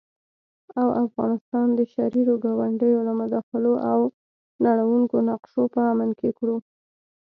او افغانستان د شريرو ګاونډيو له مداخلو او نړوونکو نقشو په امن کې کړو